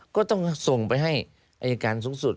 ก็ต้องส่งไปให้อายการสูงสุด